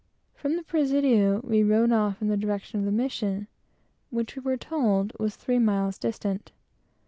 From the presidio, we rode off in the direction of the mission, which we were told was three miles distant.